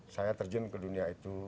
saya terjun ke dunia itu